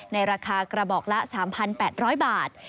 ในราคากระบอกละ๓๘๐๐บาท